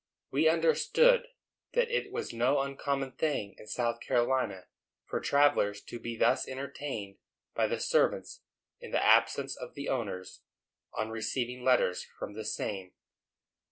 We understood that it was no uncommon thing in South Carolina for travellers to be thus entertained by the servants in the absence of the owners, on receiving letters from the same.